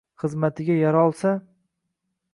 Xizmatiga yarolsa».